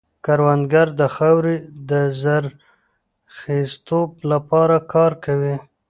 کروندګر د خاورې د زرخېزتوب لپاره کار کوي